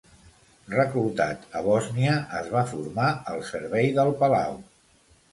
Reclutat a Bòsnia, es va formar al servei del palau.